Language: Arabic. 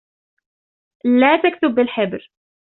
لا تكتب بالحبر.